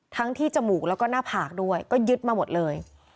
ทั้งที่จมูกแล้วก็หน้าผากด้วยก็ยึดมาหมดเลย